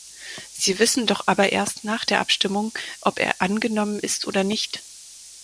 Sie wissen doch aber erst nach der Abstimmung, ob er angenommen ist oder nicht.